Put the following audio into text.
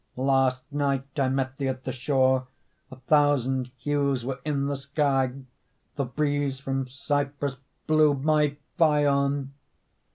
Last night I met thee at the shore, A thousand hues were in the sky; The breeze from Cyprus blew, my Phaon!